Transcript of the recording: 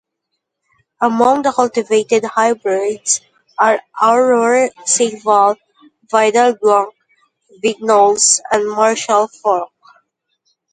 Among the cultivated hybrids are Aurore, Seyval, Vidal blanc, Vignoles and Marechal Foch.